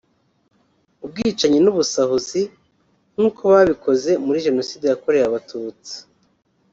ubwicanyi n’ubusahuzi nkuko babikoze muri Jenoside yakorewe Abatutsi